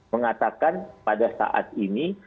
mengatakan pada saat ini